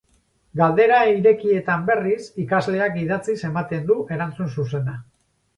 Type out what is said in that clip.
Galdera irekietan, berriz, ikasleak idatziz ematen du erantzun zuzena.